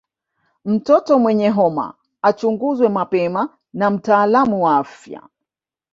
Mtoto mwenye homa achunguzwe mapema na mtaalamu wa afya